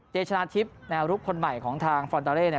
ชนะทิพย์แนวลุกคนใหม่ของทางฟอนตาเล่